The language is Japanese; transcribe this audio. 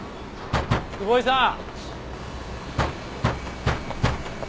久保井さん！